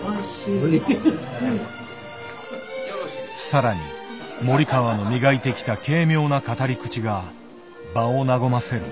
更に森川の磨いてきた軽妙な語り口が場を和ませる。